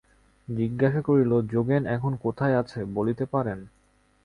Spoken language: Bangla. জিজ্ঞাসা করিল, যোগেন এখন কোথায় আছে বলিতে পারেন?